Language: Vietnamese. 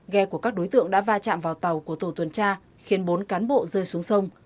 ghe của các đối tượng đã va chạm vào tàu của tổ tuần tra khiến bốn cán bộ rơi xuống sông